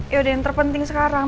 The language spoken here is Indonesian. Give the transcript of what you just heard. yaudah yang terpenting sekarang